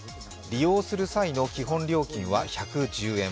利用する際の基本料金は１１０円。